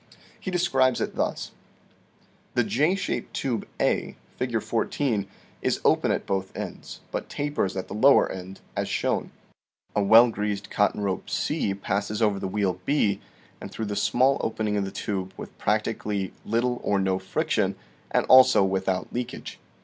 He describes it thus : The J shaped tube A, Fig. 14, is open at both ends, but tapers at the lower end, as shown. A well greased cotton rope C passes over the wheel B and through the 6o THE SEVEN FOLLIES OF SCIENCE small opening of the tube with practically little or no fric tion, and also without leakage.